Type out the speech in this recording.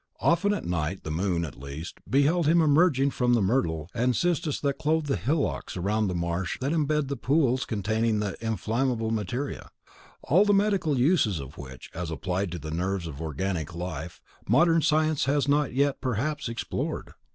Often at night, the moon, at least, beheld him emerging from the myrtle and cystus that clothe the hillocks around the marsh that imbeds the pools containing the inflammable materia, all the medical uses of which, as applied to the nerves of organic life, modern science has not yet perhaps explored.